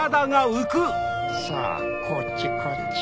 さぁこっちこっち。